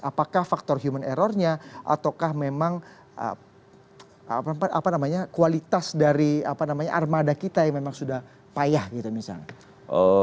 apakah faktor human errornya ataukah memang kualitas dari armada kita yang memang sudah payah gitu misalnya